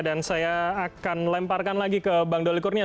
dan saya akan lemparkan lagi ke bang doli kurnia